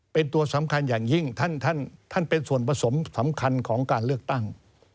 เป็นตัวสำคัญอย่างยิ่งท่านเป็นส่วนผสมสำคัญของการเลือกตั้ง